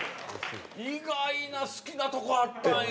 意外な好きなとこあったんや。